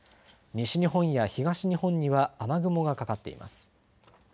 西日本や東日本には雨雲がかかっています。